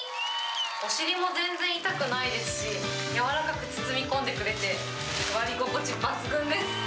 お尻も全然痛くないですしやわらかく包み込んでくれて座り心地、抜群です。